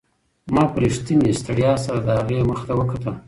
ما په رښتینې ستړیا سره د هغې مخ ته وکتل.